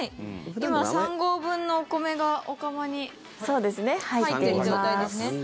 今、３合分のお米がお釜に入ってる状態ですね。